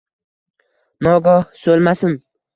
Nagoh so‘lmasin.